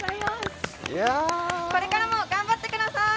これからも頑張ってください。